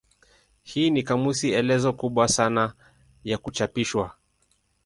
Hii ni kamusi elezo kubwa sana ya kuchapishwa.